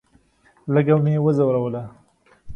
لږه مې وځوروله.